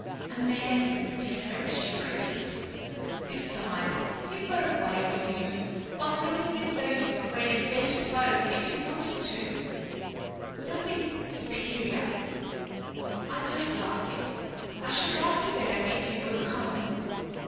"A man's different," she protested. "Besides, you've got a way with you of looking as though you could wear better clothes if you wanted to something superior. I don't like it. I should like you better if you were common."